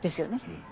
うん。